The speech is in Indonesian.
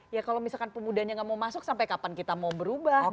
ya kalau misalkan pemudanya nggak mau masuk sampai kapan kita mau berubah